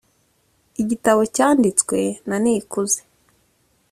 igitabo cyanditswe na nikuze